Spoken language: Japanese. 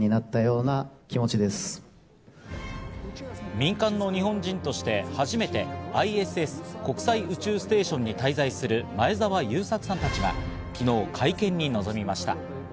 民間の日本人として初めてＩＳＳ＝国際宇宙ステーションに滞在する前澤友作さんたちが昨日会見に臨みました。